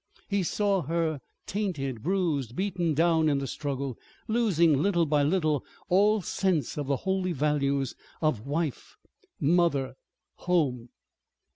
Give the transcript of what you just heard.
He saw her tainted, bruised, beaten down in the struggle, losing little by little all sense of the holy values of Wife, Mother, Home.